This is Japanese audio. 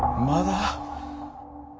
まだ？